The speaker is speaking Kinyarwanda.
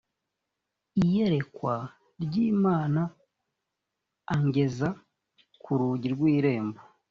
iyerekwa ry imana angeza ku rugi rw irembo